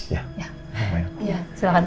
ya silahkan pak